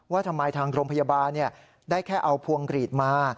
ว่าทำไมทางโรงพยาบาลได้แค่เอาพวงกรีดมา